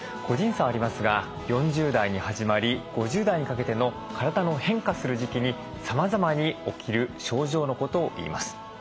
個人差はありますが４０代に始まり５０代にかけての体の変化する時期にさまざまに起きる症状のことをいいます。